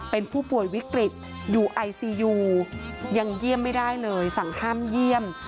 เป็นผู้ป่วยวิกฤตอยู่ไอซียูยังเยี่ยมไม่ได้เลยสั่งห้ามเยี่ยม